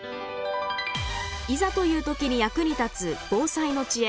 いざという時に役に立つ防災の知恵。